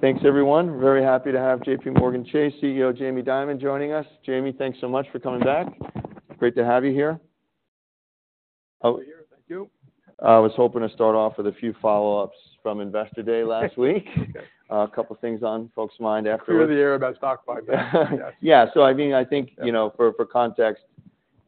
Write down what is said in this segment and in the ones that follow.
Thanks everyone. Very happy to have JPMorgan Chase CEO, Jamie Dimon, joining us. Jamie, thanks so much for coming back. Great to have you here. Thank you. I was hoping to start off with a few follow-ups from Investor Day last week. Okay. A couple of things on folks' mind after Through the year about stock buyback. Yeah. So I mean, I think, you know, for context,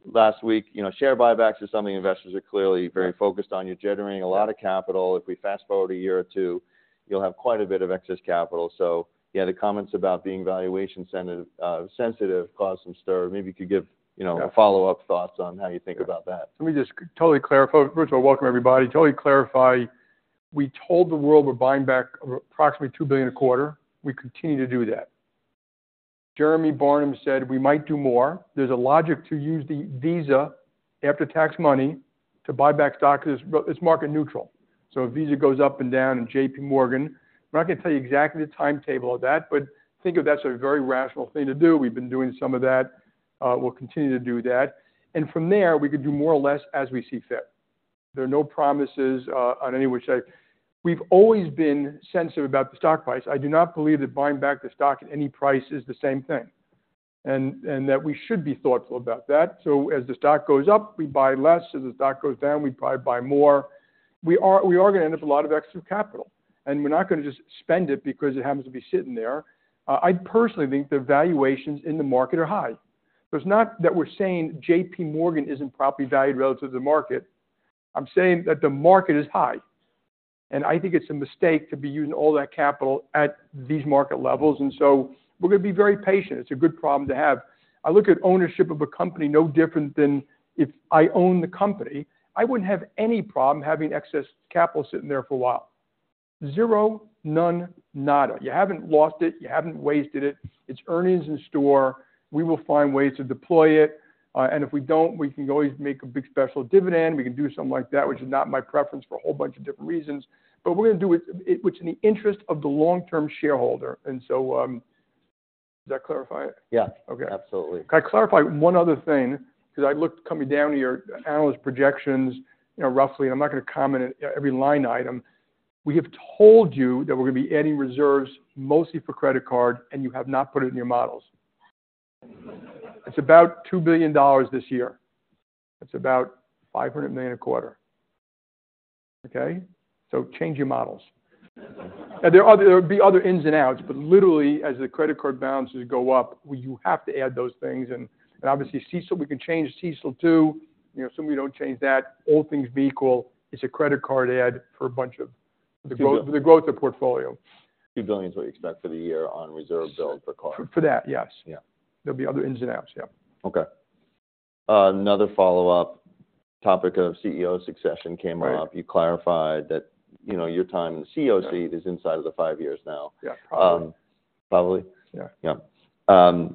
last week, you know, share buybacks are something investors are clearly very focused on. You're generating a lot of capital. If we fast forward a year or two, you'll have quite a bit of excess capital. So yeah, the comments about being valuation sensitive caused some stir. Maybe you could give, you know, a follow-up thoughts on how you think about that. Let me just totally clarify. First of all, welcome everybody. Totally clarify, we told the world we're buying back approximately $2 billion a quarter. We continue to do that. Jeremy Barnum said we might do more. There's a logic to use the Visa after-tax money to buy back stock, because it's market neutral. So Visa goes up and down, and JPMorgan, I'm not going to tell you exactly the timetable of that, but think of that as a very rational thing to do. We've been doing some of that, we'll continue to do that. And from there, we could do more or less as we see fit. There are no promises on any which side. We've always been sensitive about the stock price. I do not believe that buying back the stock at any price is the same thing, and that we should be thoughtful about that. So as the stock goes up, we buy less. As the stock goes down, we probably buy more. We are, we are going to end up with a lot of extra capital, and we're not going to just spend it because it happens to be sitting there. I personally think the valuations in the market are high. So it's not that we're saying JPMorgan isn't properly valued relative to the market. I'm saying that the market is high, and I think it's a mistake to be using all that capital at these market levels, and so we're going to be very patient. It's a good problem to have. I look at ownership of a company no different than if I own the company. I wouldn't have any problem having excess capital sitting there for a while. Zero, none, nada. You haven't lost it, you haven't wasted it. It's earnings in store. We will find ways to deploy it, and if we don't, we can always make a big special dividend. We can do something like that, which is not my preference for a whole bunch of different reasons, but we're going to do it, which in the interest of the long-term shareholder, and so, does that clarify it? Yeah. Okay. Absolutely. Can I clarify one other thing? Because I looked coming down to your analyst projections, you know, roughly. I'm not going to comment on every line item. We have told you that we're going to be adding reserves, mostly for credit card, and you have not put it in your models. It's about $2 billion this year. It's about $500 million a quarter. Okay? So change your models. And there are, there will be other ins and outs, but literally, as the credit card balances go up, you have to add those things, and, and obviously, CECL, we can change CECL too. You know, assuming we don't change that, all things being equal, it's a credit card add for a bunch of the growth, the growth of portfolio. $2 billion is what you expect for the year on reserve build for card. For that, yes. Yeah. There'll be other ins and outs, yeah. Okay. Another follow-up, topic of CEO succession came up. Right. You clarified that, you know, your time in the CEO seat is inside of the five years now. Yeah, probably. Um, probably? Yeah. Yeah. So-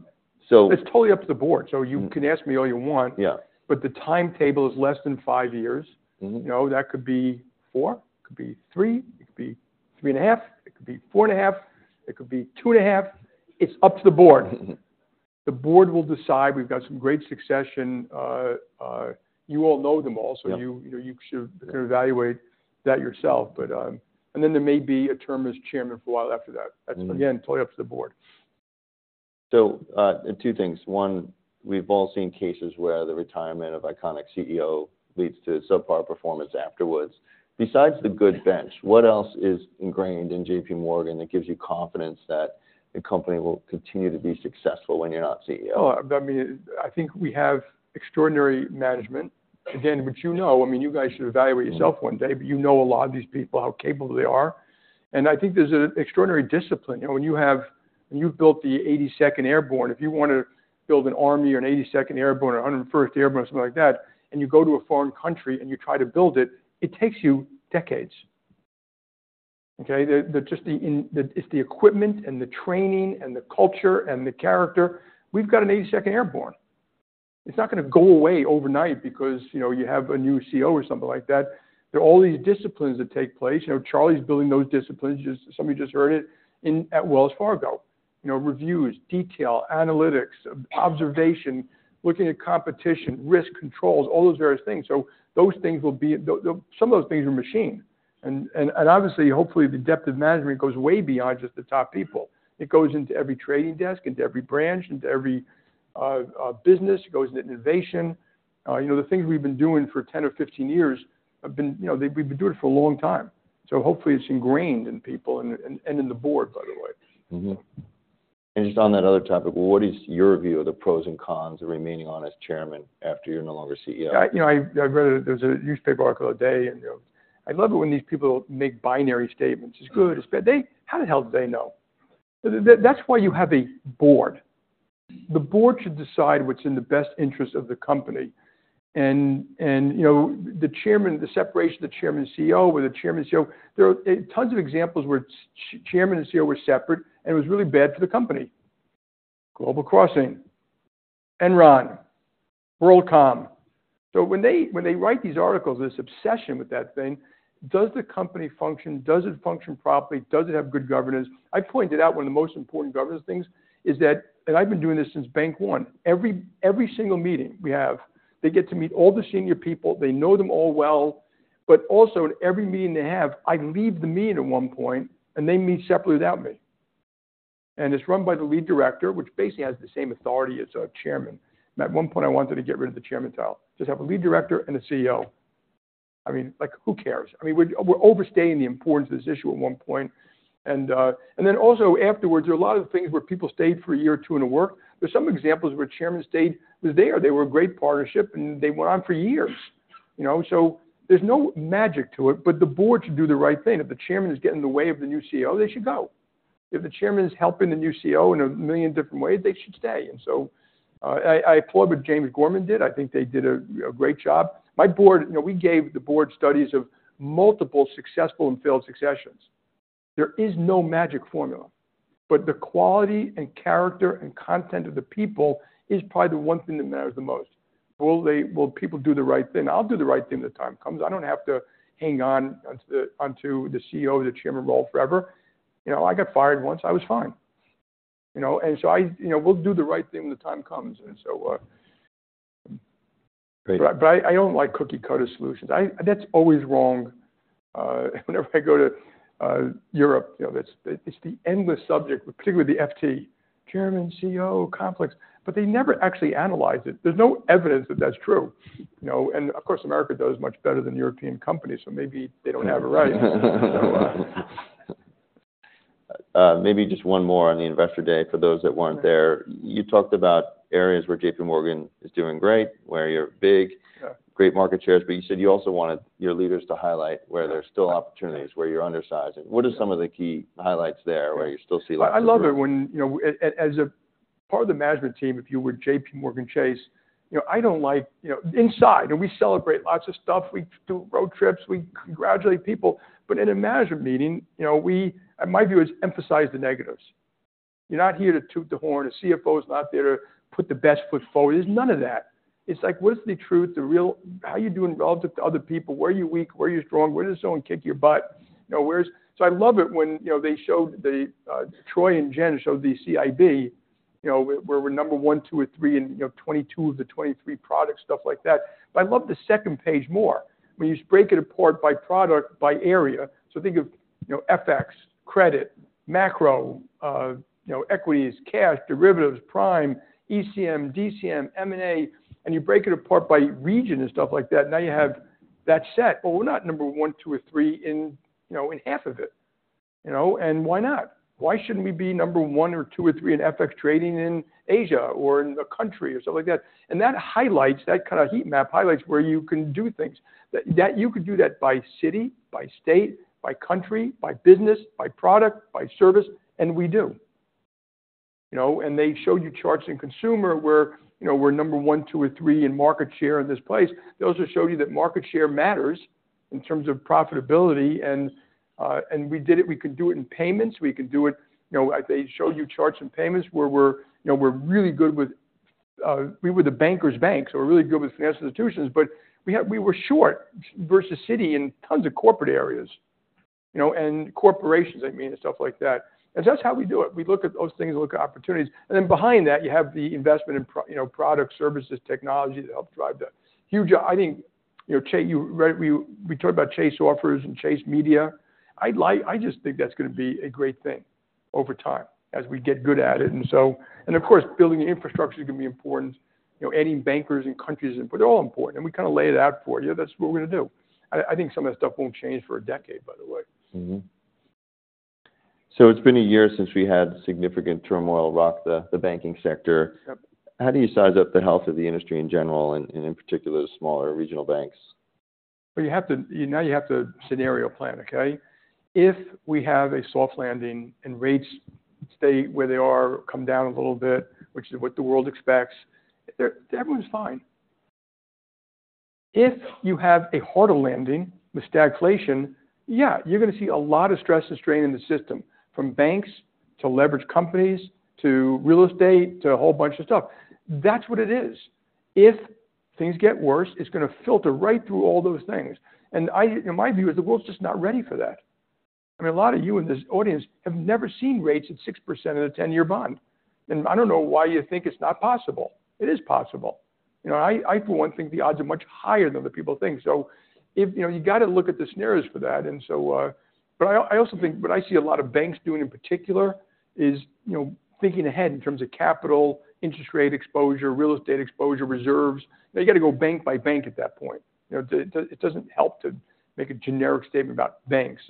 It's totally up to the board. You can ask me all you want. Yeah. But the timetable is less than five years. You know, that could be 4, it could be 3, it could be 3.5, it could be 4.5, it could be 2.5. It's up to the board. The board will decide. We've got some great succession, you all know them all- Yeah so you should evaluate that yourself, but, and then there may be a term as chairman for a while after that. That's, again, totally up to the board. So, two things. One, we've all seen cases where the retirement of iconic CEO leads to subpar performance afterwards. Besides the good bench, what else is ingrained in JPMorgan that gives you confidence that the company will continue to be successful when you're not CEO? Oh, I mean, I think we have extraordinary management. Again, which you know, I mean, you guys should evaluate yourself one day, but you know a lot of these people, how capable they are. And I think there's an extraordinary discipline. You know, when you have, when you've built the 82nd Airborne, if you want to build an army or an 82nd Airborne or 101st Airborne, something like that, and you go to a foreign country, and you try to build it, it takes you decades. Okay? Just the, it's the equipment and the training and the culture and the character. We've got an 82nd Airborne. It's not going to go away overnight because, you know, you have a new CEO or something like that. There are all these disciplines that take place. You know, Charlie's building those disciplines. Some of you just heard it in at Wells Fargo. You know, reviews, detail, analytics, observation, looking at competition, risk controls, all those various things. So those things will be. Some of those things are machine. And obviously, hopefully, the depth of management goes way beyond just the top people. It goes into every trading desk, into every branch, into every business. It goes into innovation. You know, the things we've been doing for 10 or 15 years have been... You know, we've been doing it for a long time. So hopefully, it's ingrained in people and in the board, by the way. Just on that other topic, what is your view of the pros and cons of remaining on as chairman after you're no longer CEO? You know, I read. There's a newspaper article today, and, you know, I love it when these people make binary statements. It's good, it's bad. They. How the hell do they know? That's why you have a board. The board should decide what's in the best interest of the company. And, you know, the chairman, the separation of the chairman and CEO or the chairman and CEO, there are tons of examples where chairman and CEO were separate, and it was really bad for the company. Global Crossing, Enron, WorldCom. So when they write these articles, this obsession with that thing, does the company function? Does it function properly? Does it have good governance? I pointed out one of the most important governance things is that, and I've been doing this since Bank One, every single meeting we have, they get to meet all the senior people. They know them all well. But also at every meeting they have, I leave the meeting at one point, and they meet separately without me. And it's run by the lead director, which basically has the same authority as a chairman. And at one point I wanted to get rid of the chairman title, just have a lead director and a CEO. I mean, like, who cares? I mean, we're overstating the importance of this issue at one point. And then also afterwards, there are a lot of things where people stayed for a year or two, and it worked. There's some examples where chairman stayed, they were there, they were a great partnership, and they went on for years, you know? So there's no magic to it, but the board should do the right thing. If the chairman is getting in the way of the new CEO, they should go. If the chairman is helping the new CEO in a million different ways, they should stay. And so, I applaud what Jamie Gorman did. I think they did a great job. My board, you know, we gave the board studies of multiple successful and failed successions. There is no magic formula, but the quality and character and content of the people is probably the one thing that matters the most. Will people do the right thing? I'll do the right thing when the time comes. I don't have to hang on to the CEO or the chairman role forever. You know, I got fired once. I was fine. You know, and so I... You know, we'll do the right thing when the time comes, and so. Great. But I don't like cookie-cutter solutions. I. That's always wrong. Whenever I go to Europe, you know, it's the endless subject, particularly the FT, chairman, CEO, conflicts, but they never actually analyze it. There's no evidence that that's true, you know, and of course, America does much better than European companies, so maybe they don't have it right. Maybe just one more on the Investor Day, for those that weren't there. You talked about areas where JPMorgan is doing great, where you're big- Yeah great market shares, but you said you also wanted your leaders to highlight where there's still opportunities, where you're undersizing. What are some of the key highlights there, where you still see- I love it when, you know, as a part of the management team, if you were JPMorgan Chase, you know, I don't like, you know, inside, and we celebrate lots of stuff. We do road trips, we congratulate people, but in a management meeting, you know, we, and my view is emphasize the negatives. You're not here to toot the horn. A CFO is not there to put the best foot forward. There's none of that. It's like, what is the truth, the real—how are you doing relative to other people? Where are you weak? Where are you strong? Where does someone kick your butt? You know, where's—So I love it when, you know, they showed the, Troy and Jen showed the CIB, you know, where we're number one, two, or three in, you know, 22 of the 23 products, stuff like that. But I love the second page more, when you break it apart by product, by area. So think of, you know, FX, credit, macro, you know, equities, cash, derivatives, prime, ECM, DCM, M&A, and you break it apart by region and stuff like that. Now you have that set, but we're not number one, two, or three in, you know, in half of it, you know, and why not? Why shouldn't we be number one or two or three in FX trading in Asia or in the country or something like that? And that highlights, that kind of heat map highlights where you can do things. That, that you could do that by city, by state, by country, by business, by product, by service, and we do. You know, and they showed you charts in consumer where, you know, we're number one, two, or three in market share in this place. Those will show you that market share matters in terms of profitability, and and we did it. We could do it in payments. We could do it, you know, they showed you charts in payments where we're, you know, we're really good with we were the bankers' bank, so we're really good with financial institutions, but we had we were short versus Citi in tons of corporate areas, you know, and corporations, I mean, and stuff like that. And that's how we do it. We look at those things, we look at opportunities, and then behind that, you have the investment in pro, you know, product, services, technology to help drive that. Huge, I think, you know, Chase, you right, we talked about Chase Offers and Chase Media. I like I just think that's going to be a great thing over time as we get good at it. And so... And of course, building the infrastructure is going to be important, you know, any bankers and countries, but they're all important, and we kind of lay it out for you. That's what we're going to do. I think some of that stuff won't change for a decade, by the way. Mm-hmm. So it's been a year since we had significant turmoil rock the banking sector. Yep. How do you size up the health of the industry in general, and in particular, the smaller regional banks? Well, you have to scenario plan, okay? If we have a soft landing and rates stay where they are, come down a little bit, which is what the world expects, then everyone's fine. If you have a harder landing with stagflation, yeah, you're going to see a lot of stress and strain in the system, from banks to leveraged companies, to real estate, to a whole bunch of stuff. That's what it is. If things get worse, it's going to filter right through all those things. And I, in my view, is the world's just not ready for that. I mean, a lot of you in this audience have never seen rates at 6% in a 10-year bond. And I don't know why you think it's not possible. It is possible. You know, for one, I think the odds are much higher than what people think. So if, you know, you gotta look at the scenarios for that, and so... But I also think, what I see a lot of banks doing in particular is, you know, thinking ahead in terms of capital, interest rate exposure, real estate exposure, reserves. They gotta go bank by bank at that point. You know, it doesn't help to make a generic statement about banks.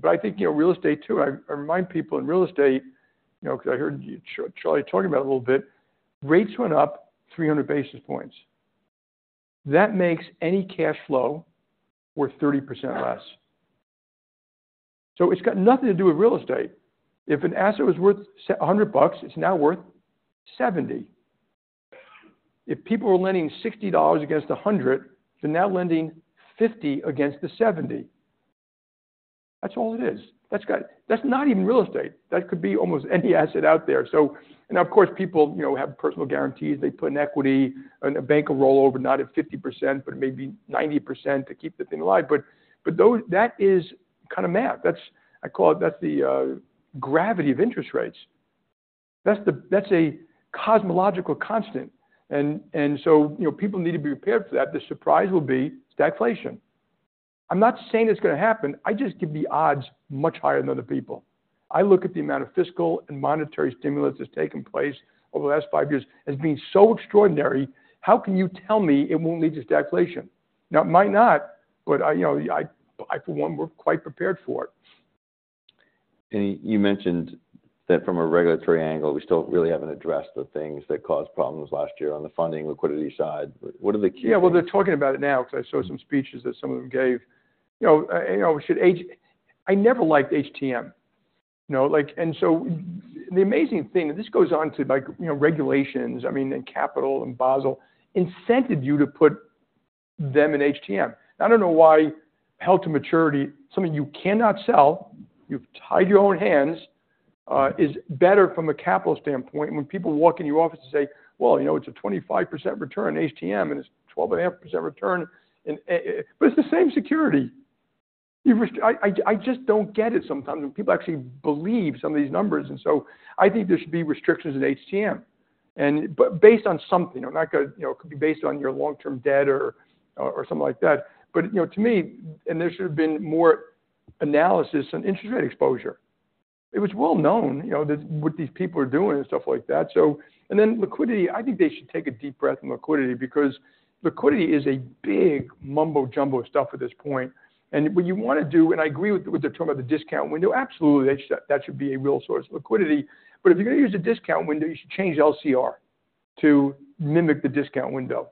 But I think, you know, real estate, too, I remind people in real estate, you know, because I heard you, Charlie, talking about it a little bit, rates went up 300 basis points. That makes any cash flow worth 30% less. So it's got nothing to do with real estate. If an asset was worth $100, it's now worth $70. If people were lending $60 against $100, they're now lending $50 against the $70. That's all it is. That's not even real estate. That could be almost any asset out there. So, and of course, people, you know, have personal guarantees. They put in equity, and a bank will roll over, not at 50%, but maybe 90% to keep the thing alive. But that is kind of math. That's, I call it, that's the gravity of interest rates. That's a cosmological constant. And, and so, you know, people need to be prepared for that. The surprise will be stagflation. I'm not saying it's gonna happen, I just give the odds much higher than other people. I look at the amount of fiscal and monetary stimulus that's taken place over the last five years as being so extraordinary, how can you tell me it won't lead to stagflation? Now, it might not, but I, you know, I, I, for one, we're quite prepared for it. You mentioned that from a regulatory angle, we still really haven't addressed the things that caused problems last year on the funding liquidity side. What are the key- Yeah, well, they're talking about it now because I saw some speeches that some of them gave. You know, you know, should I never liked HTM. You know, like, and so the amazing thing, and this goes on to, like, you know, regulations, I mean, and capital and Basel, incented you to put them in HTM. I don't know why held to maturity, something you cannot sell, you've tied your own hands, is better from a capital standpoint, when people walk in your office and say, "Well, you know, it's a 25% return in HTM, and it's 12.5% return in..." But it's the same security. I, I, I just don't get it sometimes, and people actually believe some of these numbers. And so I think there should be restrictions in HTM. But based on something, I'm not gonna, you know, it could be based on your long-term debt or, or something like that. But, you know, to me, there should have been more analysis and interest rate exposure. It was well known, you know, that what these people are doing and stuff like that. So. And then liquidity, I think they should take a deep breath on liquidity, because liquidity is a big mumbo jumbo of stuff at this point. And what you want to do, and I agree with the term of the discount window, absolutely, that should be a real source of liquidity. But if you're going to use a discount window, you should change LCR to mimic the discount window.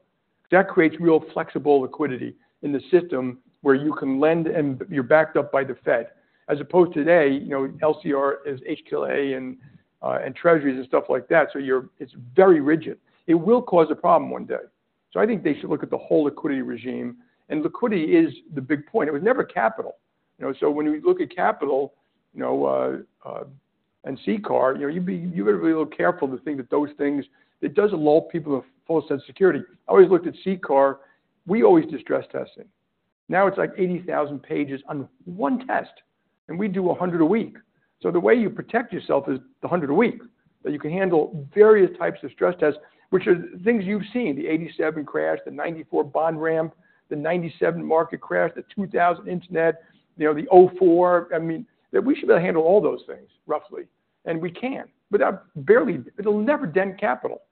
That creates real flexible liquidity in the system, where you can lend and you're backed up by the Fed, as opposed to today, you know, LCR is HQLA and treasuries and stuff like that. So you're. It's very rigid. It will cause a problem one day. So I think they should look at the whole liquidity regime, and liquidity is the big point. It was never capital. You know, so when we look at capital, you know, and CCAR, you know, you better be a little careful to think that those things... It does lull people a false sense of security. I always looked at CCAR, we always did stress testing. Now it's like 80,000 pages on one test, and we do 100 a week. So the way you protect yourself is the 100 a week, that you can handle various types of stress tests, which are things you've seen, the 1987 crash, the 1994 bond ramp, the 1997 market crash, the 2000 internet, you know, the '04. I mean, that we should be able to handle all those things, roughly, and we can, but barely. It'll never dent capital,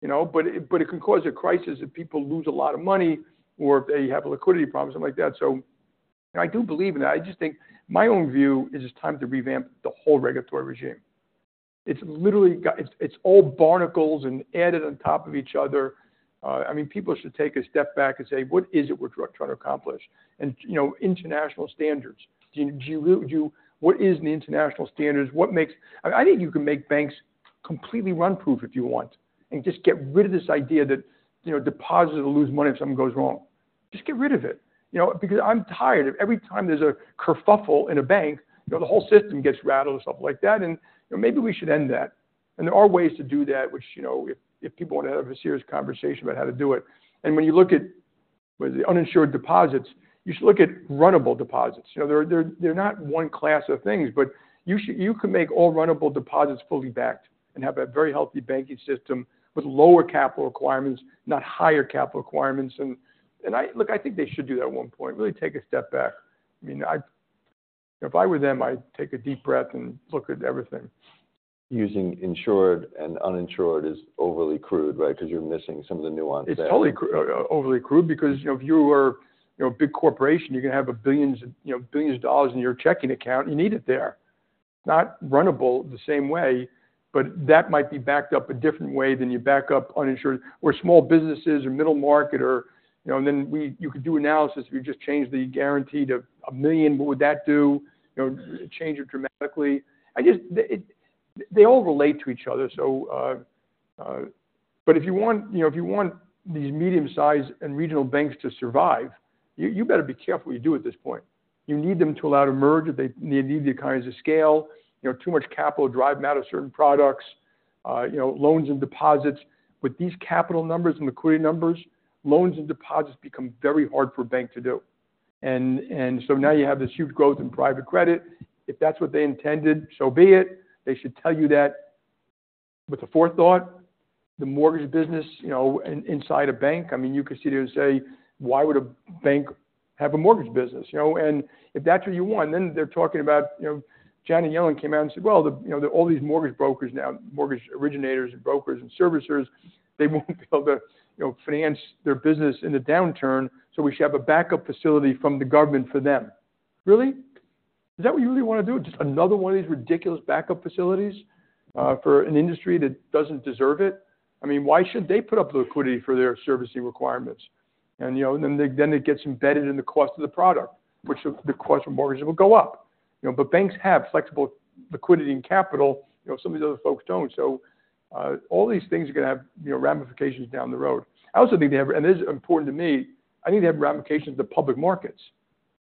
you know, but it, but it can cause a crisis if people lose a lot of money or if they have liquidity problems, something like that. So I do believe in that. I just think my own view is it's time to revamp the whole regulatory regime. It's literally got. It's, it's all barnacles and added on top of each other. I mean, people should take a step back and say: What is it we're trying to accomplish? And, you know, international standards. Do you what is the international standards? What makes— I think you can make banks completely run-proof if you want, and just get rid of this idea that, you know, depositors will lose money if something goes wrong. Just get rid of it. You know, because I'm tired of every time there's a kerfuffle in a bank, you know, the whole system gets rattled and stuff like that, and, you know, maybe we should end that. And there are ways to do that, which, you know, if people want to have a serious conversation about how to do it. And when you look at the uninsured deposits, you should look at runnable deposits. You know, they're not one class of things, but you should—you can make all runnable deposits fully backed and have a very healthy banking system with lower capital requirements, not higher capital requirements. And I—look, I think they should do that at one point, really take a step back. I mean, if I were them, I'd take a deep breath and look at everything. Using insured and uninsured is overly crude, right? Because you're missing some of the nuance there. It's totally overly crude because, you know, if you are, you know, a big corporation, you're gonna have a billion, you know, billions of dollars in your checking account, you need it there. Not runnable the same way, but that might be backed up a different way than you back up uninsured or small businesses or middle market or, you know, and then you could do analysis if you just change the guarantee to a million, what would that do? You know, change it dramatically. They all relate to each other, so. But if you want, you know, if you want these medium-sized and regional banks to survive, you better be careful what you do at this point. You need to allow them to merge, they need the economies of scale. You know, too much capital will drive them out of certain products, you know, loans and deposits. With these capital numbers and liquidity numbers, loans and deposits become very hard for a bank to do. And so now you have this huge growth in private credit. If that's what they intended, so be it. They should tell you that with a forethought, the mortgage business, you know, inside a bank, I mean, you could sit here and say, "Why would a bank have a mortgage business?" You know, and if that's what you want, then they're talking about, you know, Janet Yellen came out and said, "Well, the, you know, all these mortgage brokers now, mortgage originators and brokers and servicers, they won't be able to you know, finance their business in a downturn, so we should have a backup facility from the government for them." Really? Is that what you really want to do? Just another one of these ridiculous backup facilities for an industry that doesn't deserve it. I mean, why should they put up the liquidity for their servicing requirements? And, you know, and then it gets embedded in the cost of the product, which the cost of mortgages will go up. You know, but banks have flexible liquidity and capital, you know, some of these other folks don't. So, all these things are gonna have, you know, ramifications down the road. I also think they have, and this is important to me, I think they have ramifications to public markets.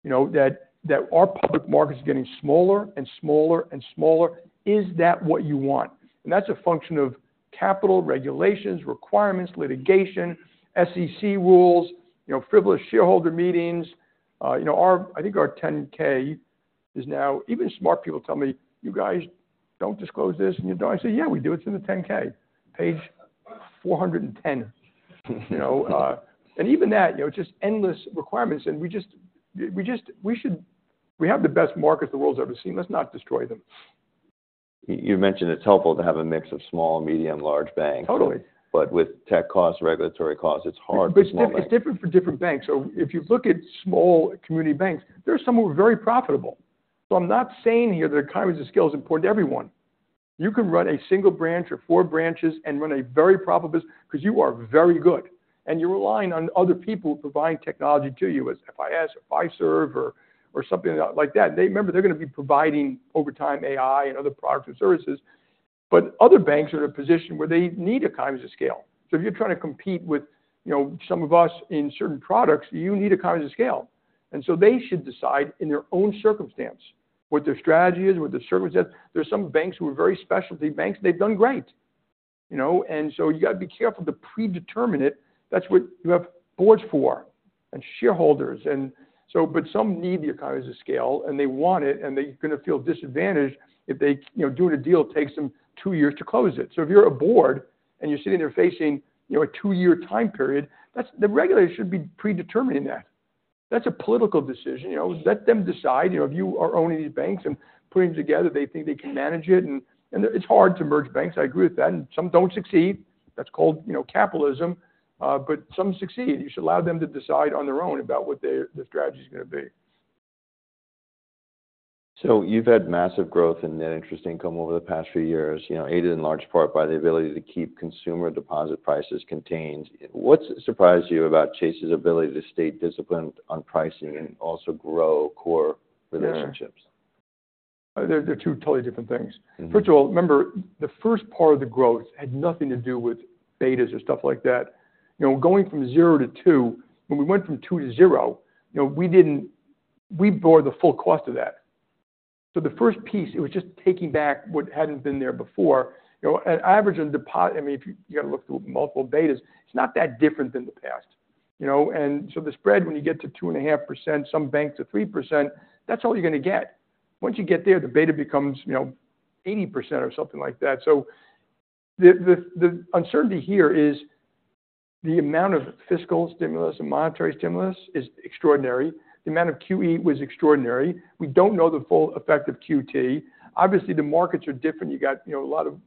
You know, that our public market is getting smaller and smaller and smaller. Is that what you want? And that's a function of capital regulations, requirements, litigation, SEC rules, you know, frivolous shareholder meetings. You know, our, I think our 10-K is now even smart people tell me, "You guys don't disclose this, and you don't." I say, "Yeah, we do. It's in the 10-K, page 410." You know, and even that, you know, just endless requirements, and we just, we just—we should—we have the best markets the world's ever seen. Let's not destroy them. You mentioned it's helpful to have a mix of small, medium, large banks. Totally. With tech costs, regulatory costs, it's hard for small banks. It's different for different banks. So if you look at small community banks, there are some who are very profitable. So I'm not saying here that economies of scale is important to everyone. You can run a single branch or four branches and run a very profitable business because you are very good, and you're relying on other people providing technology to you, as FIS, Fiserv or, or something like that. They remember, they're going to be providing, over time, AI and other products and services, but other banks are in a position where they need economies of scale. So if you're trying to compete with, you know, some of us in certain products, you need economies of scale. And so they should decide in their own circumstance what their strategy is, what their service is. There are some banks who are very specialty banks, and they've done great, you know? And so you got to be careful to predetermine it. That's what you have boards for and shareholders, and so but some need the economies of scale, and they want it, and they're going to feel disadvantaged if they, you know, doing a deal takes them two years to close it. So if you're a board and you're sitting there facing, you know, a two-year time period, that's the regulators should be predetermining that. That's a political decision, you know. Let them decide, you know, if you are owning these banks and putting them together, they think they can manage it. And it's hard to merge banks, I agree with that, and some don't succeed. That's called, you know, capitalism, but some succeed. You should allow them to decide on their own about what the strategy is going to be. So you've had massive growth in net interest income over the past few years, you know, aided in large part by the ability to keep consumer deposit prices contained. What surprised you about Chase's ability to stay disciplined on pricing and also grow core relationships? Yeah. They're, they're two totally different things. Mm-hmm. First of all, remember, the first part of the growth had nothing to do with betas or stuff like that. You know, going from 0 to 2, when we went from 2 to 0, you know, we didn't—we bore the full cost of that. So the first piece, it was just taking back what hadn't been there before. You know, an average on deposit, I mean, if you, you got to look through multiple betas, it's not that different than the past, you know? And so the spread, when you get to 2.5%, some banks to 3%, that's all you're going to get. Once you get there, the beta becomes, you know, 80% or something like that. So the uncertainty here is the amount of fiscal stimulus and monetary stimulus is extraordinary. The amount of QE was extraordinary. We don't know the full effect of QT. Obviously, the markets are different. You got, you know, a lot of,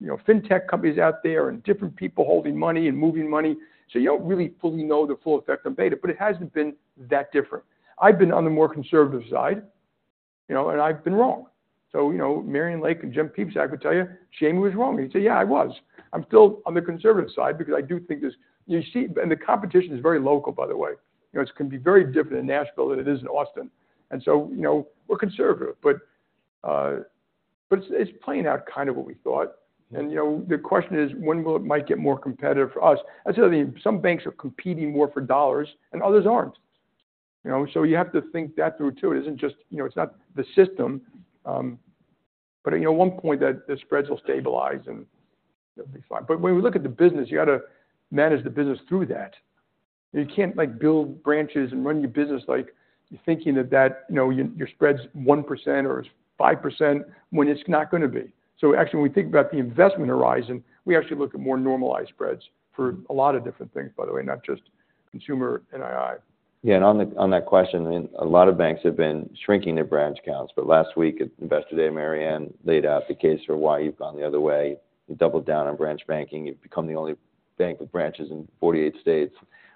you know, fintech companies out there and different people holding money and moving money, so you don't really fully know the full effect on beta, but it hasn't been that different. I've been on the more conservative side, you know, and I've been wrong. So, you know, Marianne Lake and Jennifer Piepszak, I would tell you, Jamie was wrong. He'd say, "Yeah, I was." I'm still on the conservative side because I do think there's you see, and the competition is very local, by the way. You know, it can be very different in Nashville than it is in Austin, and so, you know, we're conservative. But, but it's playing out kind of what we thought. And, you know, the question is: When will it might get more competitive for us? I tell you, some banks are competing more for dollars and others aren't. You know, so you have to think that through, too. It isn't just, you know, it's not the system, but, you know, at one point, the spreads will stabilize, and it'll be fine. But when we look at the business, you got to manage the business through that. You can't, like, build branches and run your business like you're thinking that, you know, your spread's 1% or it's 5% when it's not going to be. So actually, when we think about the investment horizon, we actually look at more normalized spreads for a lot of different things, by the way, not just consumer NII. Yeah, and on that, on that question, a lot of banks have been shrinking their branch counts, but last week, at Investor Day, Marianne laid out the case for why you've gone the other way. You doubled down on branch banking. You've become the only bank with branches in 48 states.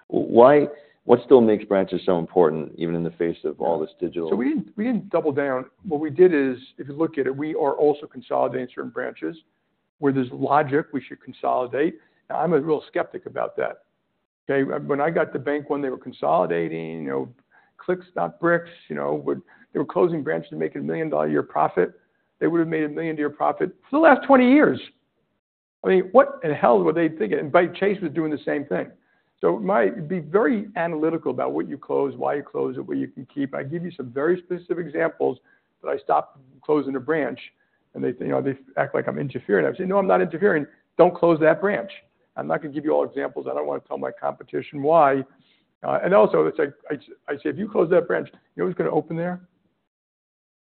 Why, what still makes branches so important, even in the face of all this digital? So we didn't, we didn't double down. What we did is, if you look at it, we are also consolidating certain branches where there's logic we should consolidate. Now, I'm a real skeptic about that. Okay? When I got to bank, when they were consolidating, you know, clicks, not bricks, you know, they were closing branches to make a $1 million a year profit. They would have made a $1 million a year profit for the last 20 years. I mean, what in the hell were they thinking? And by the way, Chase was doing the same thing. So it might be very analytical about what you close, why you close it, what you can keep. I give you some very specific examples, but I stopped closing a branch, and they, you know, they act like I'm interfering. I say, "No, I'm not interfering. Don't close that branch." I'm not going to give you all examples. I don't want to tell my competition why. And also, it's like I say, "If you close that branch, you know who's going to open there?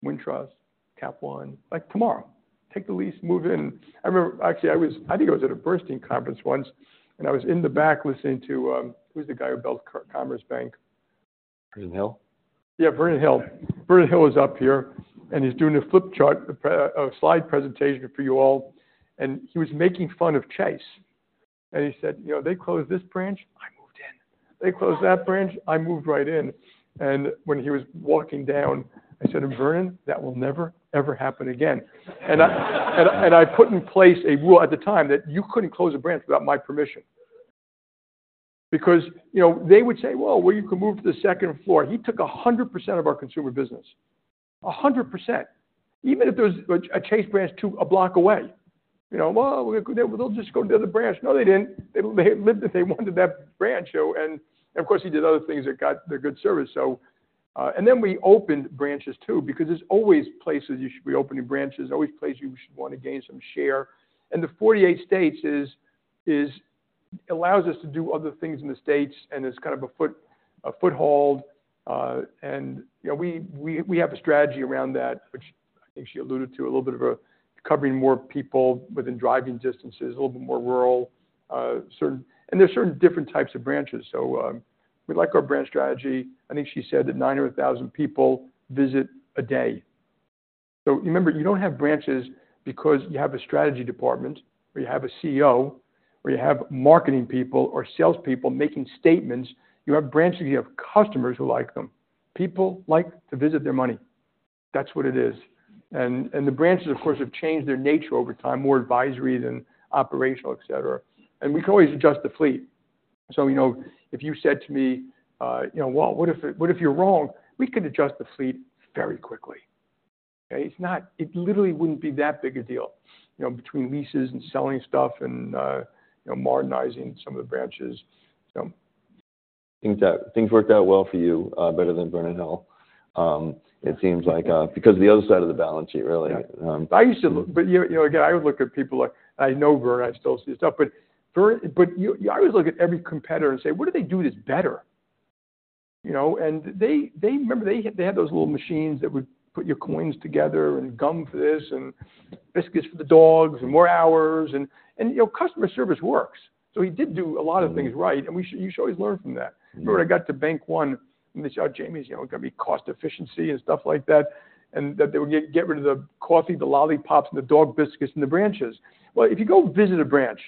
Wintrust, Cap One, like, tomorrow. Take the lease, move in." I remember, actually, I think I was at a Bernstein conference once, and I was in the back listening to... Who's the guy who built Commerce Bank? Vernon Hill? Yeah, Vernon Hill. Vernon Hill was up here, and he's doing a flip chart, a slide presentation for you all, and he was making fun of Chase. And he said, "You know, they closed this branch, I moved in. They closed that branch, I moved right in." And when he was walking down, I said, "Vernon, that will never, ever happen again." And I put in place a rule at the time that you couldn't close a branch without my permission. Because, you know, they would say, "Well, well, you can move to the second floor." He took 100% of our consumer business. 100%. Even if there was a Chase branch a block away, you know, "Well, they'll just go to the other branch." No, they didn't. They lived, they wanted that branch. And of course, he did other things that got the good service, and then we opened branches too, because there's always places you should be opening branches, always places you should want to gain some share. And the 48 states is allows us to do other things in the states, and it's kind of a foot, a foothold. And, you know, we have a strategy around that, which I think she alluded to a little bit of a covering more people within driving distances, a little bit more rural, certain and there's certain different types of branches. So, we like our branch strategy. I think she said that nine out of 1,000 people visit a day. So remember, you don't have branches because you have a strategy department, or you have a CEO, or you have marketing people or salespeople making statements. You have branches, you have customers who like them. People like to visit their money. That's what it is. And the branches, of course, have changed their nature over time, more advisory than operational, et cetera. And we can always adjust the fleet. So, you know, if you said to me, you know, "Well, what if, what if you're wrong? We could adjust the fleet very quickly." Okay? It's not. It literally wouldn't be that big a deal, you know, between leases and selling stuff and, you know, modernizing some of the branches, so. Things worked out well for you, better than Vernon Hill. It seems like, because of the other side of the balance sheet, really. You know, again, I would look at people like, I know Vernon, I still see his stuff, but you always look at every competitor and say, "What do they do that's better?" You know, and remember, they had those little machines that would put your coins together and gum for this, and biscuits for the dogs, and more hours and, and, you know, customer service works. So he did do a lot of things right, and you should always learn from that. Mm-hmm. When I got to Bank One, and they shout, Jamie, you know, got me cost efficiency and stuff like that, and that they would get rid of the coffee, the lollipops, and the dog biscuits in the branches. Well, if you go visit a branch,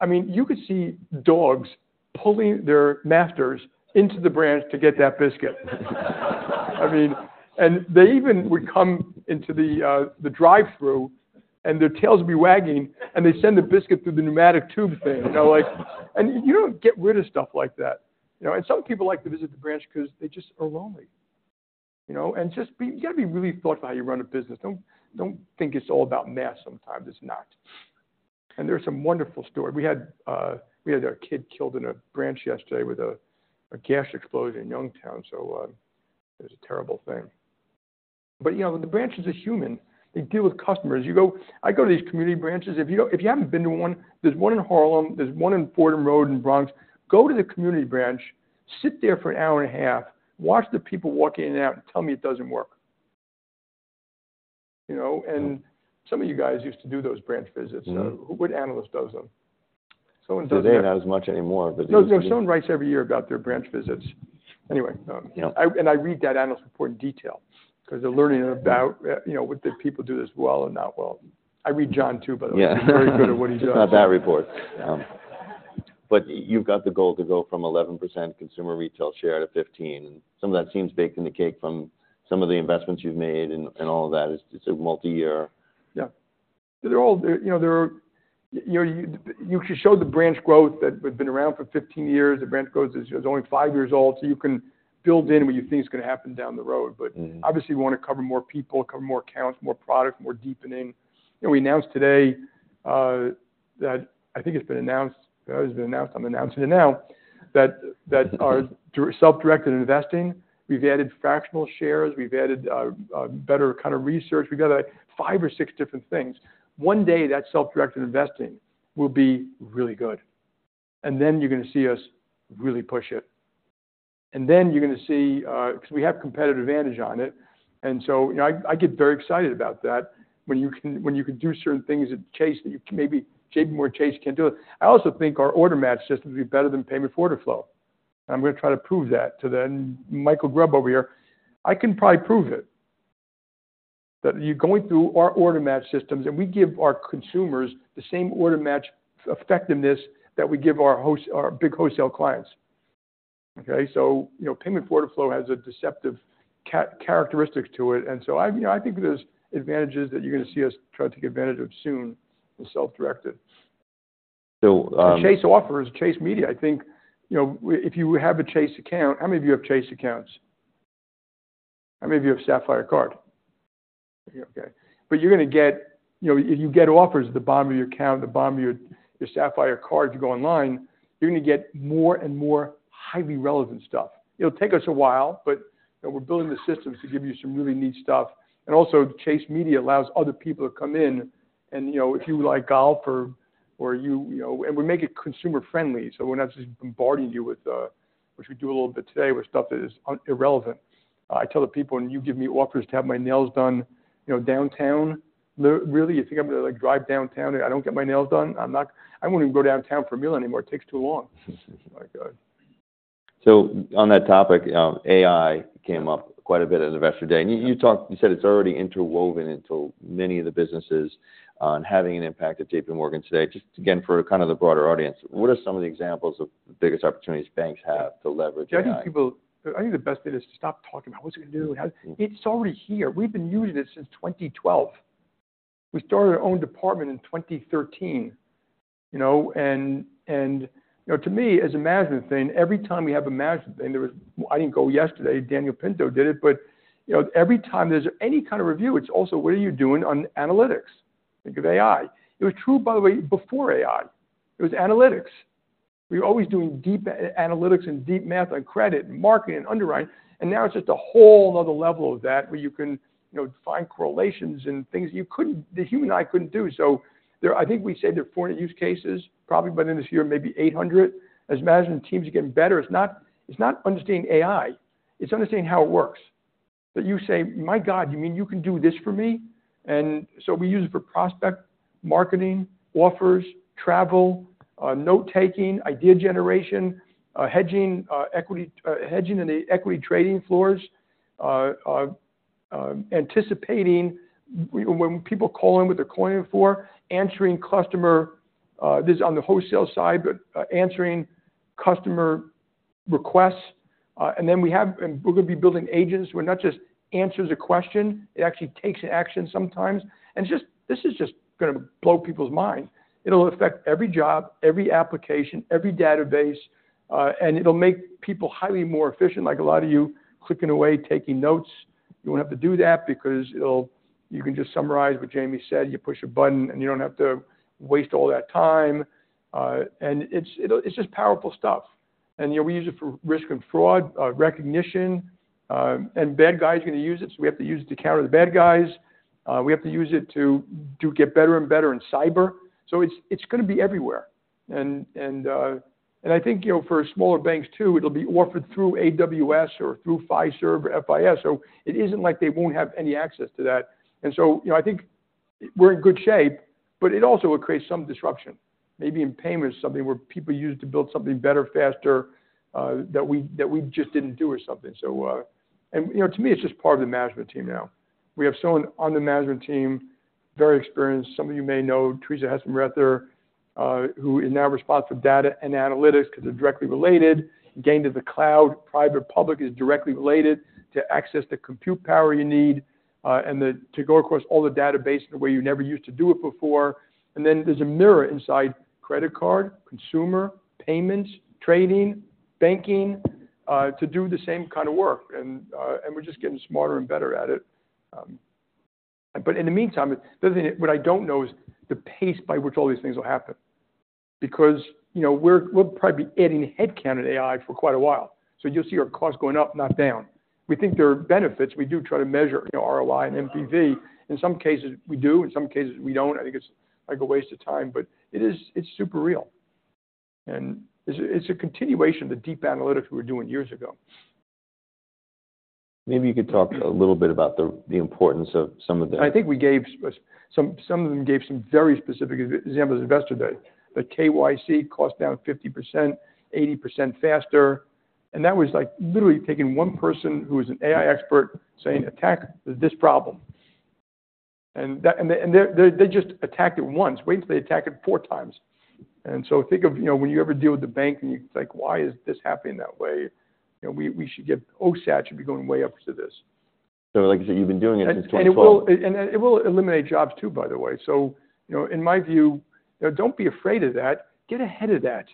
I mean, you could see dogs pulling their masters into the branch to get that biscuit. I mean, and they even would come into the drive-thru, and their tails be wagging, and they send the biscuit through the pneumatic tube thing, you know, like, and you don't get rid of stuff like that, you know? And some people like to visit the branch because they just are lonely, you know? And just you got to be really thoughtful how you run a business. Don't think it's all about math sometimes; it's not. And there's some wonderful story. We had, we had a kid killed in a branch yesterday with a gas explosion in Youngstown, so, it was a terrible thing. But, you know, the branches are human. They deal with customers. You go-I go to these community branches. If you don't-- If you haven't been to one, there's one in Harlem, there's one in Fordham Road in Bronx. Go to the community branch, sit there for an hour and a half, watch the people walk in and out, and tell me it doesn't work. You know, and some of you guys used to do those branch visits. Mm-hmm. What analyst does them? Someone does it. So they're not as much anymore, but- No, someone writes every year about their branch visits. Anyway, you know, and I read that analyst report in detail because they're learning about, you know, what the people do this well or not well. I read John, too, by the way. Yeah. He's very good at what he does. Not that report. But you've got the goal to go from 11% consumer retail share to 15%, and some of that seems baked in the cake from some of the investments you've made and all of that. It's a multi-year. Yeah. They're all, you know, they're... You showed the branch growth that have been around for 15 years. The branch growth is only 5 years old, so you can build in what you think is going to happen down the road. Mm-hmm. But obviously, we want to cover more people, cover more accounts, more product, more deepening. You know, we announced today that I think it's been announced. If it's been announced, I'm announcing it now, that our self-directed investing, we've added fractional shares, we've added better kind of research. We've got like five or six different things. One day, that self-directed investing will be really good, and then you're going to see us really push it. And then you're going to see, because we have competitive advantage on it, and so, you know, I get very excited about that. When you can, when you can do certain things at Chase, that you can maybe, JPMorgan Chase can't do it. I also think our Order Match system will be better than payment order flow. I'm going to try to prove that to Mikael Grubb over here. I can probably prove it, that you're going through our Order Match systems, and we give our consumers the same order match effectiveness that we give our host- our big wholesale clients. Okay, so you know, payment order flow has a deceptive characteristic to it, and so I, you know, I think there's advantages that you're going to see us try to take advantage of soon in self-directed. So, um- Chase offers Chase Media. I think, you know, if you have a Chase account. How many of you have Chase accounts? How many of you have Sapphire card? Okay. But you're gonna get, you know, you get offers at the bottom of your account, the bottom of your, your Sapphire card, if you go online, you're gonna get more and more highly relevant stuff. It'll take us a while, but, you know, we're building the systems to give you some really neat stuff. And also, Chase Media allows other people to come in, and, you know, if you like golf or, or you, you know, and we make it consumer-friendly, so we're not just bombarding you with, which we do a little bit today, with stuff that is irrelevant. I tell the people, when you give me offers to have my nails done, you know, downtown. Really? You think I'm gonna, like, drive downtown, and I don't get my nails done? I'm not. I wouldn't even go downtown for a meal anymore. It takes too long. My God. So on that topic, AI came up quite a bit at Investor Day. Mm-hmm. You talked, you said it's already interwoven into many of the businesses on having an impact at JPMorgan today. Just again, for kind of the broader audience, what are some of the examples of the biggest opportunities banks have to leverage AI? I think people-- I think the best thing is to stop talking about what you're going to do. How... It's already here. We've been using this since 2012. We started our own department in 2013, you know? And, and, you know, to me, as a management thing, every time we have a management thing, there was-- I didn't go yesterday, Daniel Pinto did it. But, you know, every time there's any kind of review, it's also, what are you doing on analytics? Think of AI. It was true, by the way, before AI. It was analytics.... We're always doing deep a- analytics and deep math on credit, marketing, and underwriting, and now it's just a whole another level of that, where you can, you know, find correlations and things you couldn't-- the human eye couldn't do. There, I think we said there are 40 use cases, probably by the end of this year, maybe 800. As management teams are getting better, it's not understanding AI, it's understanding how it works. That you say, "My God, you mean you can do this for me?" And so we use it for prospect, marketing, offers, travel, note taking, idea generation, hedging, equity hedging in the equity trading floors, anticipating when people call in, what they're calling in for, answering customer, this is on the wholesale side, but, answering customer requests. And then we have and we're going to be building agents, where it not just answers a question, it actually takes action sometimes. And just this is just going to blow people's mind. It'll affect every job, every application, every database, and it'll make people highly more efficient. Like a lot of you, clicking away, taking notes, you won't have to do that because it'll—you can just summarize what Jamie said, you push a button, and you don't have to waste all that time. And it's just powerful stuff. And, you know, we use it for risk and fraud recognition, and bad guys are going to use it, so we have to use it to counter the bad guys. We have to use it to get better and better in cyber. So it's going to be everywhere. And I think, you know, for smaller banks, too, it'll be offered through AWS or through Fiserv or FIS, so it isn't like they won't have any access to that. So, you know, I think we're in good shape, but it also will create some disruption. Maybe in payments, something where people use it to build something better, faster, that we, that we just didn't do or something. And, you know, to me, it's just part of the management team now. We have someone on the management team, very experienced. Some of you may know, Teresa Heitsenrether, who is now responsible for data and analytics, because they're directly related. Getting to the cloud, private-public, is directly related to access the compute power you need, and then to go across all the database in a way you never used to do it before. And then there's a mirror inside credit card, consumer, payments, trading, banking, to do the same kind of work. And we're just getting smarter and better at it. But in the meantime, the other thing, what I don't know is the pace by which all these things will happen. Because, you know, we're, we'll probably be adding headcount at AI for quite a while, so you'll see our costs going up, not down. We think there are benefits. We do try to measure, you know, ROI and NPV. In some cases, we do, in some cases, we don't. I think it's like a waste of time, but it is, it's super real. And it's, it's a continuation of the deep analytics we were doing years ago. Maybe you could talk a little bit about the importance of some of the- I think we gave some of them some very specific examples at Investor Day. The KYC cost down 50%, 80% faster, and that was, like, literally taking one person who was an AI expert, saying, "Attack this problem." And they just attacked it once. Wait until they attack it four times. And so think of, you know, when you ever deal with the bank and you're like: Why is this happening that way? You know, we should get... OSAT should be going way up to this. Like you said, you've been doing it since 2012. It will eliminate jobs, too, by the way. So, you know, in my view, don't be afraid of that. Get ahead of that.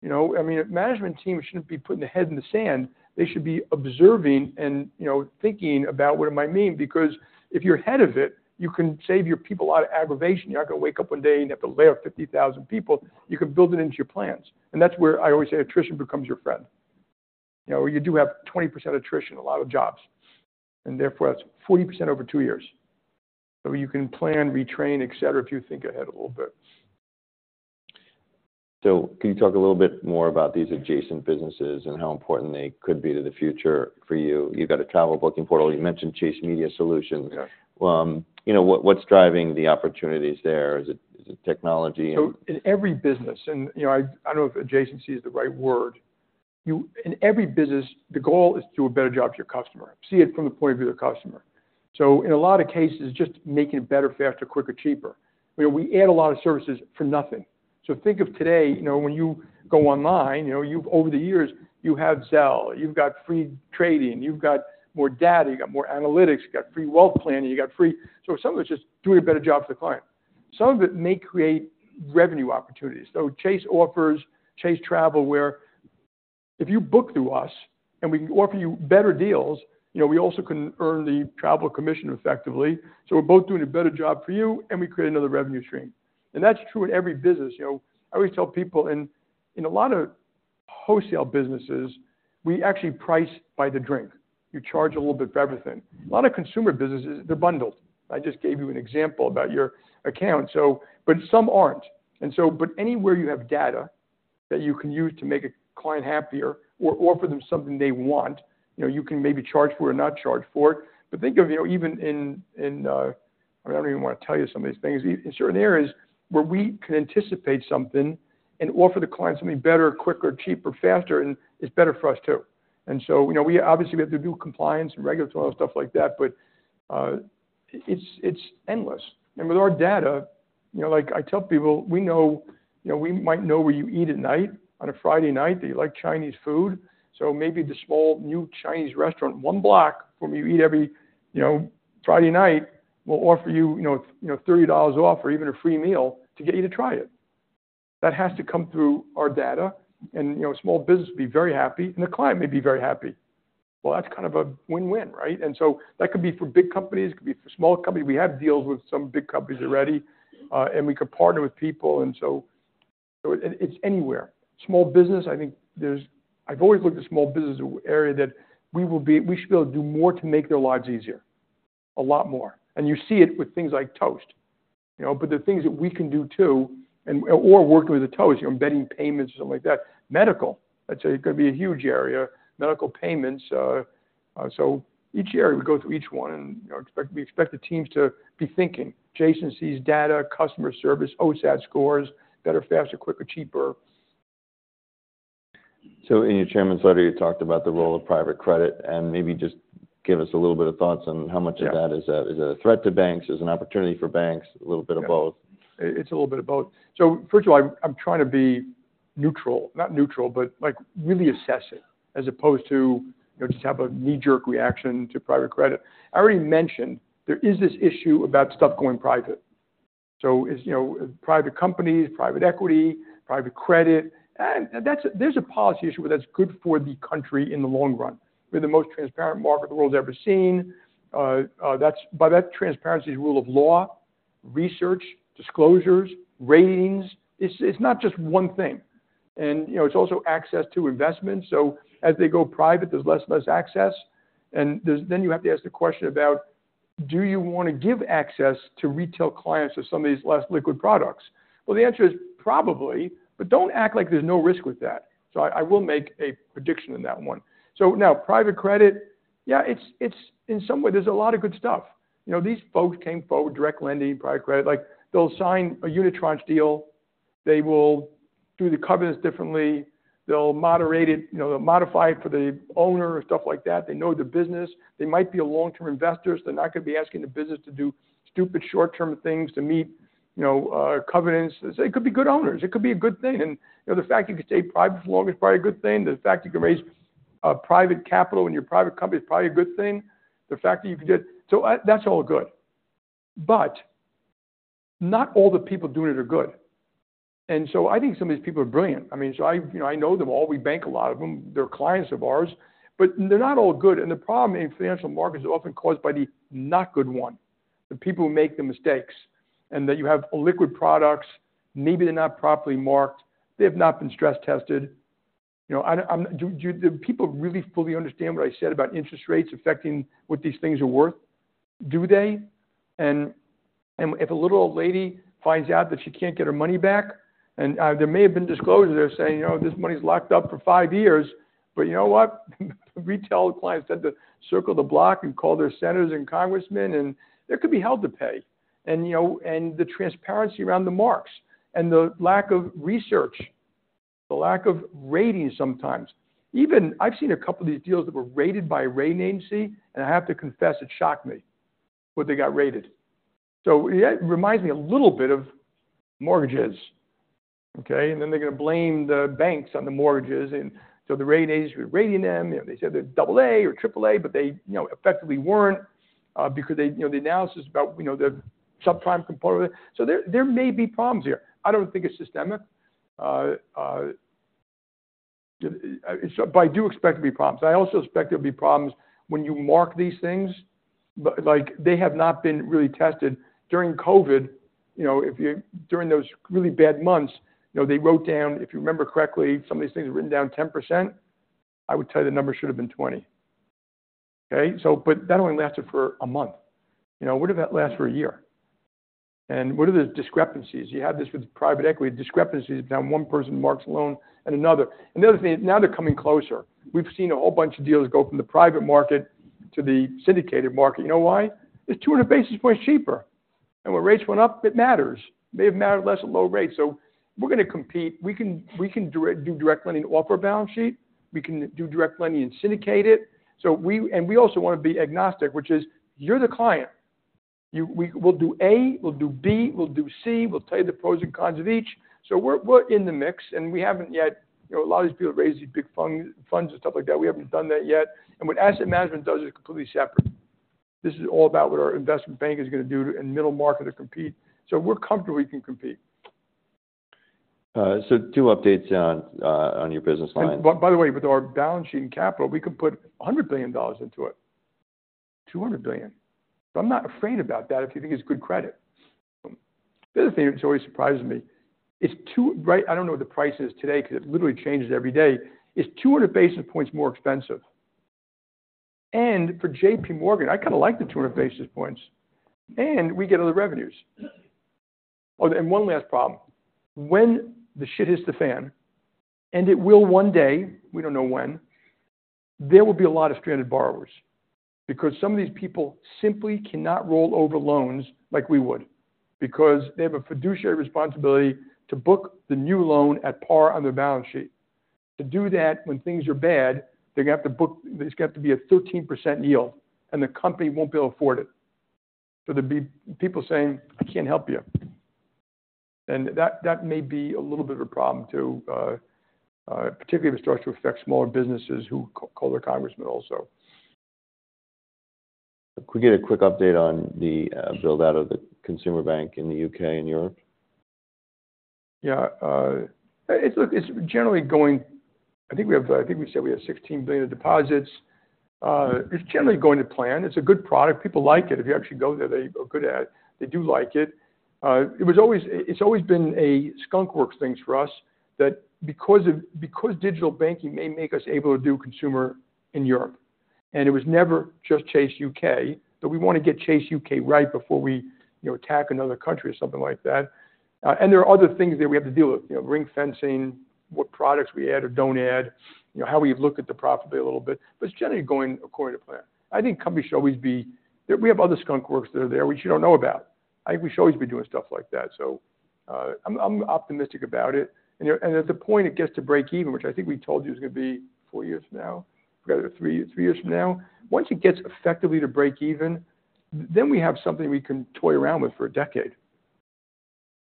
You know, I mean, a management team shouldn't be putting their head in the sand. They should be observing and, you know, thinking about what it might mean, because if you're ahead of it, you can save your people a lot of aggravation. You're not going to wake up one day and have to lay off 50,000 people. You can build it into your plans. And that's where I always say, attrition becomes your friend. You know, you do have 20% attrition, a lot of jobs, and therefore, that's 40% over 2 years. So you can plan, retrain, et cetera, if you think ahead a little bit. So can you talk a little bit more about these adjacent businesses and how important they could be to the future for you? You've got a travel booking portal. You mentioned Chase Media Solutions. Yeah. you know, what, what's driving the opportunities there? Is it, is it technology? So in every business, you know, I don't know if adjacency is the right word—in every business, the goal is to do a better job for your customer, see it from the point of view of the customer. So in a lot of cases, just making it better, faster, quicker, cheaper. You know, we add a lot of services for nothing. So think of today, you know, when you go online, you know, you've over the years, you have Zelle, you've got free trading, you've got more data, you've got more analytics, you've got free wealth planning, you got free... So some of it's just doing a better job for the client. Some of it may create revenue opportunities. So Chase offers Chase Travel, where if you book through us and we can offer you better deals, you know, we also can earn the travel commission effectively. So we're both doing a better job for you, and we create another revenue stream. And that's true in every business. You know, I always tell people in a lot of wholesale businesses, we actually price by the drink. You charge a little bit for everything. A lot of consumer businesses, they're bundled. I just gave you an example about your account, so, but some aren't. And so, but anywhere you have data that you can use to make a client happier or offer them something they want, you know, you can maybe charge for or not charge for it. But think of, you know, even in, I don't even want to tell you some of these things. In certain areas, where we can anticipate something and offer the client something better, quicker, cheaper, faster, and it's better for us, too. And so, you know, we obviously, we have to do compliance and regulatory stuff like that, but, it's, it's endless. And with our data, you know, like I tell people, we know, you know, we might know where you eat at night, on a Friday night, that you like Chinese food. So maybe the small, new Chinese restaurant, one block from where you eat every, you know, Friday night, we'll offer you, you know, you know, $30 off or even a free meal to get you to try it. That has to come through our data and, you know, small business will be very happy, and the client may be very happy.... Well, that's kind of a win-win, right? So that could be for big companies, it could be for small companies. We have deals with some big companies already, and we could partner with people, and so it's anywhere. Small business, I think I've always looked at small business area that we should be able to do more to make their lives easier, a lot more. And you see it with things like Toast, you know? But the things that we can do, too, and or working with the Toast, you're embedding payments, something like that. Medical, I'd say, is gonna be a huge area, medical payments, so each area, we go through each one, and, you know, we expect the teams to be thinking. adjacencies data, customer service, OSAT scores, better, faster, quicker, cheaper. So in your chairman's letter, you talked about the role of private credit, and maybe just give us a little bit of thoughts on how much of that- Yeah. Is a threat to banks, is an opportunity for banks, a little bit of both? It's a little bit of both. So first of all, I'm trying to be neutral. Not neutral, but, like, really assess it, as opposed to, you know, just have a knee-jerk reaction to private credit. I already mentioned there is this issue about stuff going private. So as you know, private companies, private equity, private credit, and that's. There's a policy issue where that's good for the country in the long run. We're the most transparent market the world's ever seen, that's. By that, transparency is rule of law, research, disclosures, ratings. It's not just one thing. And, you know, it's also access to investment. So as they go private, there's less and less access. And there's. Then you have to ask the question about: Do you want to give access to retail clients or some of these less liquid products? Well, the answer is probably, but don't act like there's no risk with that. So I, I will make a prediction on that one. So now, private credit, yeah, it's, it's, in some way, there's a lot of good stuff. You know, these folks came forward, direct lending, private credit, like, they'll sign a unitranche deal, they will do the covenants differently, they'll moderate it, you know, they'll modify it for the owner and stuff like that. They know the business. They might be a long-term investors. They're not going to be asking the business to do stupid short-term things to meet, you know, covenants. It could be good owners. It could be a good thing. And, you know, the fact you could stay private for long is probably a good thing. The fact you can raise, private capital in your private company is probably a good thing. The fact that you could get. So that's all good. But not all the people doing it are good. And so I think some of these people are brilliant. I mean, so I, you know, I know them all. We bank a lot of them. They're clients of ours, but they're not all good. And the problem in financial markets is often caused by the not good one, the people who make the mistakes, and that you have illiquid products, maybe they're not properly marked, they have not been stress tested. You know, I, I'm. Do people really fully understand what I said about interest rates affecting what these things are worth? Do they? And if a little old lady finds out that she can't get her money back, and there may have been disclosures there saying, you know, this money's locked up for five years, but you know what? The retail clients had to circle the block and call their senators and congressmen, and there could be hell to pay. And you know, the transparency around the marks, and the lack of research, the lack of rating sometimes. Even I've seen a couple of these deals that were rated by a rating agency, and I have to confess, it shocked me what they got rated. So yeah, it reminds me a little bit of mortgages, okay? And then they're going to blame the banks on the mortgages. And so the rating agencies were rating them. They said they're double A or triple A, but they, you know, effectively weren't, because they, you know, the analysis about, you know, the subprime component. So there may be problems here. I don't think it's systemic, but I do expect there to be problems. I also expect there'll be problems when you mark these things, but, like, they have not been really tested during COVID, you know, if you—during those really bad months, you know, they wrote down, if you remember correctly, some of these things were written down 10%. I would tell you the number should have been 20. Okay, so but that only lasted for a month. You know, what if that lasts for a year? And what are the discrepancies? You had this with private equity, discrepancies. Now one person marks a loan and another. The other thing, now they're coming closer. We've seen a whole bunch of deals go from the private market to the syndicated market. You know why? It's 200 basis points cheaper, and when rates went up, it matters. May have mattered less at low rates. So we're gonna compete. We can, we can do direct lending off our balance sheet. We can do direct lending and syndicate it. And we also want to be agnostic, which is, you're the client. We, we'll do A, we'll do B, we'll do C, we'll tell you the pros and cons of each. So we're, we're in the mix, and we haven't yet. You know, a lot of these people raise these big funds and stuff like that. We haven't done that yet, and what asset management does is completely separate. This is all about what our investment bank is going to do in middle market to compete. So we're comfortable we can compete. So two updates on, on your business line. By the way, with our balance sheet and capital, we could put $100 billion into it, $200 billion. But I'm not afraid about that if you think it's good credit. The other thing which always surprises me, it's 2, right? I don't know what the price is today, because it literally changes every day. It's 200 basis points more expensive. And for JPMorgan, I kind of like the 200 basis points, and we get other revenues. Oh, and one last problem. When the shit hits the fan, and it will one day, we don't know when, there will be a lot of stranded borrowers because some of these people simply cannot roll over loans like we would, because they have a fiduciary responsibility to book the new loan at par on their balance sheet. To do that, when things are bad, they're gonna have to book. There's got to be a 13% yield, and the company won't be able to afford it. So there'll be people saying: "I can't help you." And that, that may be a little bit of a problem, too, particularly if it starts to affect smaller businesses who call their congressmen also. Could we get a quick update on the build-out of the consumer bank in the UK and Europe? Yeah, look, it's generally going. I think we have, I think we said we have $16 billion of deposits. It's generally going to plan. It's a good product. People like it. If you actually go there, they are good at it. They do like it. It's always been a skunk works thing for us, because digital banking may make us able to do consumer in Europe, and it was never just Chase UK, but we want to get Chase UK right before we, you know, attack another country or something like that. And there are other things that we have to deal with, you know, ring fencing, what products we add or don't add, you know, how we look at the profitability a little bit, but it's generally going according to plan. I think companies should always be. We have other skunk works that are there, which you don't know about. I think we should always be doing stuff like that, so I'm optimistic about it. And at the point it gets to breakeven, which I think we told you is gonna be four years from now, rather than three years from now. Once it gets effectively to breakeven, then we have something we can toy around with for a decade.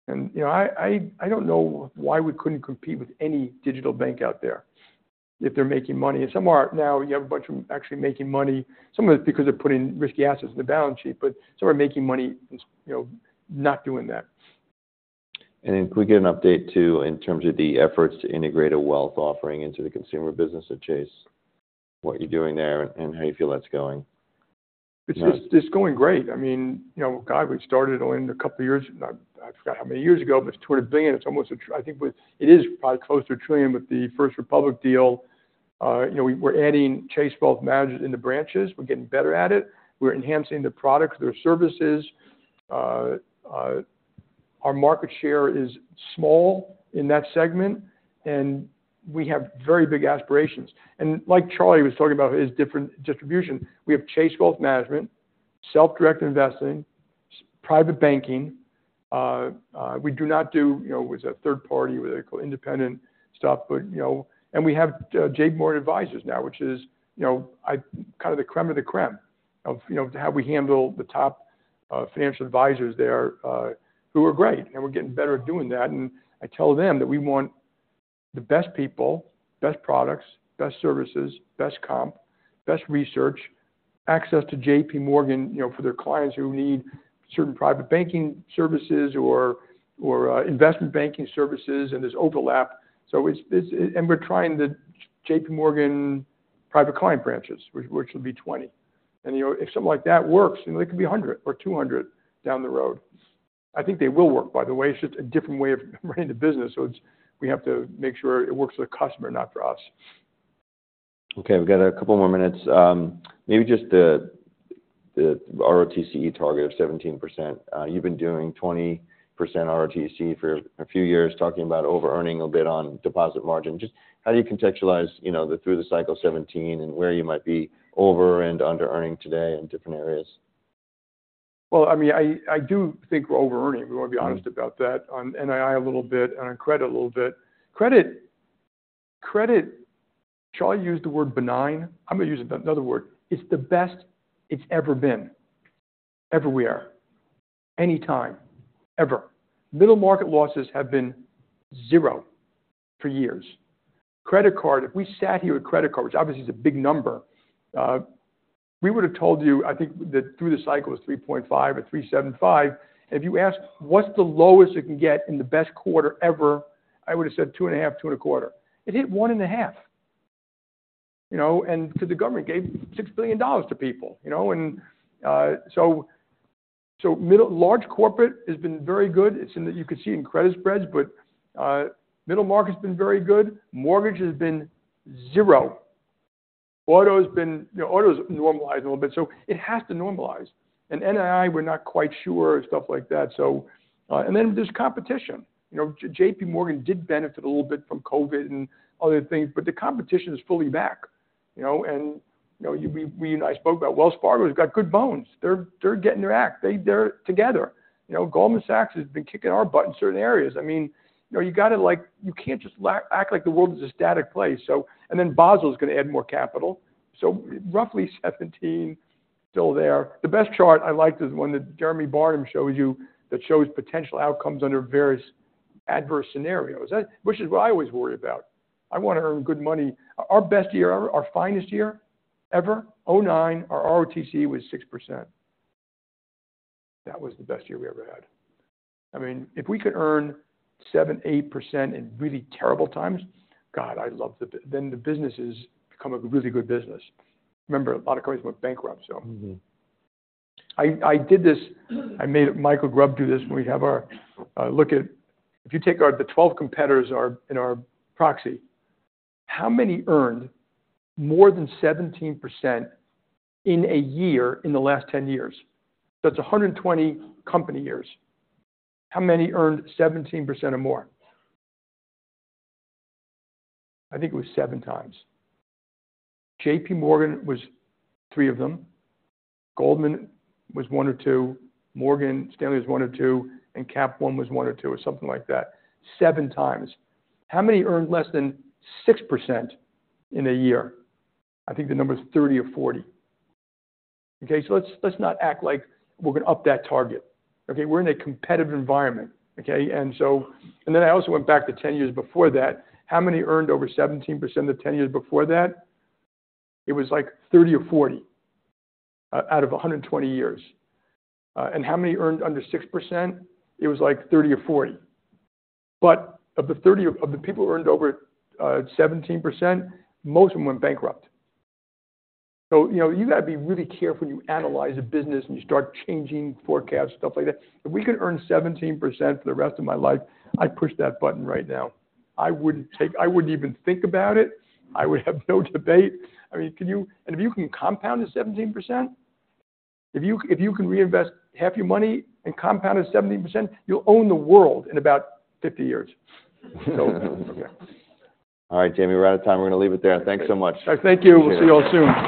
And, you know, I don't know why we couldn't compete with any digital bank out there if they're making money. And some are now, you have a bunch of them actually making money, some of it because they're putting risky assets on the balance sheet, but some are making money, you know, not doing that. Could we get an update, too, in terms of the efforts to integrate a wealth offering into the consumer business at Chase? What you're doing there and how you feel that's going? It's just, it's going great. I mean, you know, God, we started only a couple of years, I, I forgot how many years ago, but it's $200 billion. It's almost a trillion. I think it is probably close to $1 trillion with the First Republic deal. You know, we're adding Chase Wealth managers in the branches. We're getting better at it. We're enhancing the products, their services. Our market share is small in that segment, and we have very big aspirations. And like Charlie was talking about, his different distribution, we have Chase Wealth Management, self-directed investing, private banking. We do not do, you know, with a third party, with independent stuff, but, you know. And we have J.P. Morgan Advisors now, which is, you know, kind of the crème of the crème of, you know, how we handle the top, financial advisors there, who are great, and we're getting better at doing that. And I tell them that we want the best people, best products, best services, best comp, best research, access to J.P. Morgan, you know, for their clients who need certain private banking services or, or, investment banking services, and there's overlap. So it's, it's. And we're trying the J.P. Morgan Private Client branches, which, which will be 20. And, you know, if something like that works, then there could be 100 or 200 down the road. I think they will work, by the way. It's just a different way of running the business, so it's. We have to make sure it works for the customer, not for us. Okay, we've got a couple more minutes. Maybe just the, the ROTCE target of 17%. You've been doing 20% ROTCE for a few years, talking about overearning a bit on deposit margin. Just how do you contextualize, you know, the through the cycle 17% and where you might be over and under earning today in different areas? Well, I mean, I, I do think we're overearning. We're going to be honest about that, on NII a little bit and on credit a little bit. Credit, credit, Charlie used the word benign. I'm going to use another word. It's the best it's ever been, everywhere, anytime, ever. Middle market losses have been 0 for years. Credit card, if we sat here with credit card, which obviously is a big number, we would have told you, I think that through the cycle is 3.5 or 3.75. If you ask, "What's the lowest it can get in the best quarter ever?" I would have said, 2.5, 2.25. It hit 1.5, you know, and because the government gave $6 billion to people, you know. And, so, so middle large corporate has been very good. It's in the you could see in credit spreads, but middle market has been very good. Mortgage has been zero. Auto has been, you know, auto's normalized a little bit, so it has to normalize. In NII, we're not quite sure and stuff like that, so... And then there's competition. You know, J.P. Morgan did benefit a little bit from COVID and other things, but the competition is fully back, you know? And, you know, you and I spoke about Wells Fargo has got good bones. They're getting their act together. You know, Goldman Sachs has been kicking our butt in certain areas. I mean, you know, you got to like. You can't just act like the world is a static place, so. And then Basel is going to add more capital, so roughly 17, still there. The best chart I liked is the one that Jeremy Barnum showed you that shows potential outcomes under various adverse scenarios, which is what I always worry about. I want to earn good money. Our best year, our finest year, ever, 2009, our ROTCE was 6%. That was the best year we ever had. I mean, if we could earn 7%-8% in really terrible times, God, I love the b-- Then the business has become a really good business. Remember, a lot of companies went bankrupt, so- Mm-hmm. I, I did this. I made Mikael Grubb do this when we have our look at. If you take our, the 12 competitors are, in our proxy, how many earned more than 17% in a year in the last 10 years? That's 120 company years. How many earned 17% or more? I think it was 7 times. J.P. Morgan was 3 of them. Goldman was 1 or 2. Morgan Stanley was 1 or 2, and Cap One was 1 or 2, or something like that. 7 times. How many earned less than 6% in a year? I think the number is 30 or 40. Okay, so let's, let's not act like we're going to up that target, okay? We're in a competitive environment, okay? And so, and then I also went back to 10 years before that. How many earned over 17% the 10 years before that? It was like 30 or 40 out of 120 years. And how many earned under 6%? It was like 30 or 40. But of the 30—Of the people who earned over 17%, most of them went bankrupt. So, you know, you got to be really careful when you analyze a business, and you start changing forecasts, stuff like that. If we could earn 17% for the rest of my life, I'd push that button right now. I wouldn't even think about it. I would have no debate. I mean, can you—And if you can compound the 17%, if you, if you can reinvest half your money and compound it 17%, you'll own the world in about 50 years. All right, Jamie, we're out of time. We're going to leave it there. Thanks so much. Thank you. We'll see you all soon.